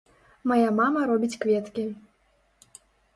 Мая мама робіць кветкі.